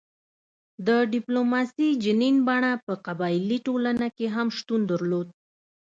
د ډیپلوماسي جنین بڼه په قبایلي ټولنه کې هم شتون درلود